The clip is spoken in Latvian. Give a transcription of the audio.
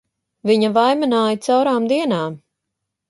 Viņa vaimanāja caurām dienām!